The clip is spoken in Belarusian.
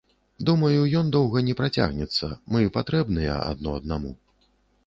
Думаю, ён доўга не працягнецца, мы патрэбныя адно аднаму.